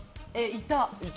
いた。